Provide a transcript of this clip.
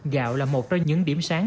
gạo là một trong những điểm sáng